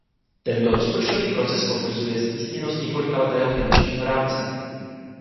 Tento rozpočtový proces potvrzuje stísněnost několikaletého finančního rámce.